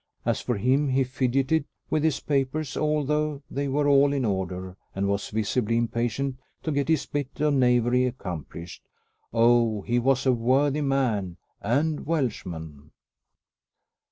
As for him, he fidgeted with his papers, although they were all in order, and was visibly impatient to get his bit of knavery accomplished. Oh! he was a worthy man! And Welshman!